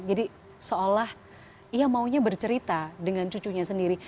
jadi seolah ia maunya bercerita dengan cucunya sendiri